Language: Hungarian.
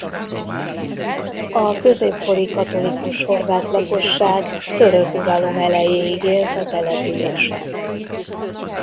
A középkori katolikus horvát lakosság török uralom elejéig élt a településen.